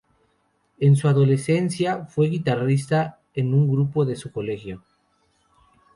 En su adolescencia fue guitarrista en un grupo de su colegio.